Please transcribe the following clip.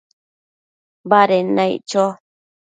baded naic cho